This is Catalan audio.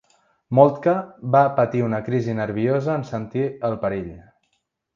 Moltke va patir una crisi nerviosa en sentir el perill.